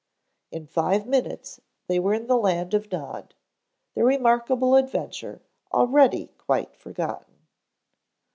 In five minutes they were in the land of Nod, their remarkable adventure already quite forgotten.